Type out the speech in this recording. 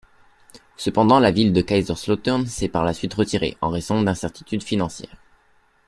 Cependant, la ville de Kaiserslautern s'est par la suite retirée, en raison d'incertitudes financières.